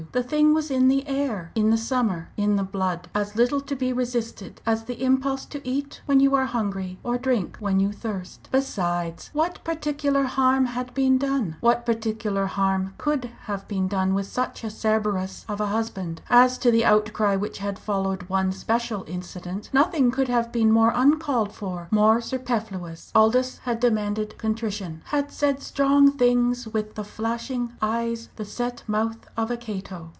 The thing was in the air! in the summer, in the blood as little to be resisted as the impulse to eat when you are hungry, or drink when you thirst. Besides, what particular harm had been done, what particular harm could have been done with such a Cerberus of a husband? As to the outcry which had followed one special incident, nothing could have been more uncalled for, more superfluous. Aldous had demanded contrition, had said strong things with the flashing eyes, the set mouth of a Cato.